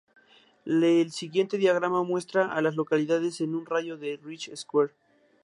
El siguiente diagrama muestra a las localidades en un radio de de Rich Square.